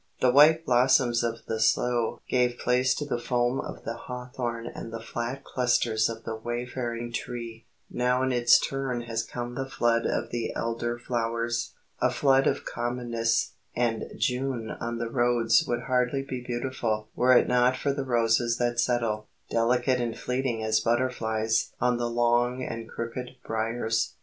The white blossoms of the sloe gave place to the foam of the hawthorn and the flat clusters of the wayfaring tree; now in its turn has come the flood of the elder flowers, a flood of commonness, and June on the roads would hardly be beautiful were it not for the roses that settle, delicate and fleeting as butterflies, on the long and crooked briers.